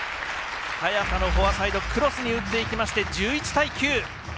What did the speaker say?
早田のフォアサイドクロスに打っていきまして１１対９。